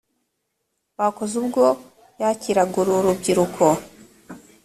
bakoze ubwo yakiraga uru rubyiruko